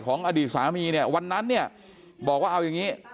ของอดีตสามีวันนั้นบอกว่าเอายังงี้